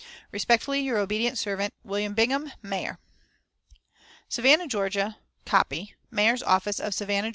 "Respectfully, your obedient servant, "WM. BINGHAM, Mayor." SAVANNAH, GA. (Copy.) "Mayor's Office, City of Savannah, Ga.